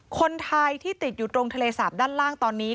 คนไทยที่ติดอยู่ตรงทะเลสาปด้านล่างตอนนี้